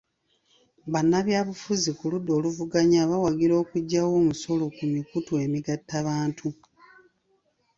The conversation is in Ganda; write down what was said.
Bannabyabufuzi ku ludda oluvuganya bawagira okuggyawo omusolo ku mikutu emigattabantu.